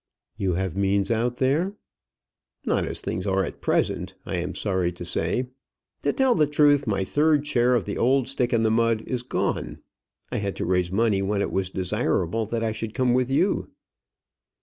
"You have means out there." "Not as things are at present, I am sorry to say. To tell the truth, my third share of the old Stick in the Mud is gone. I had to raise money when it was desirable that I should come with you."